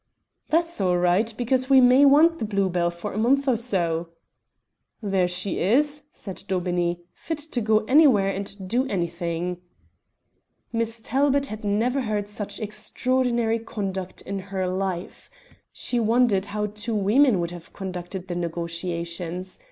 "That's all right, because we may want the Blue Bell for a month or so." "There she is," said Daubeney; "fit to go anywhere and do anything." Miss Talbot had never heard such extraordinary conduct in her life. She wondered how two women would have conducted the negotiations.